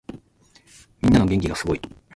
みんなの元気がすごい。